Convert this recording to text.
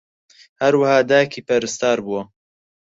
ھەروەھا دایکی پەرستار بووە